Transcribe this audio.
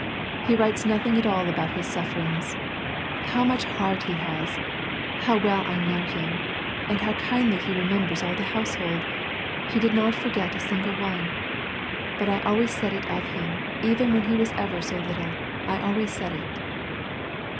He writes nothing at all about his sufferings ! How much heart he has ! How well I know him ! And how kindly he remem bers all the household ! He did not forget a single one ! Bat I always said it of him, even when he was ever so little — I always said it."